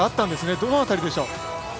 どの辺りでしたか。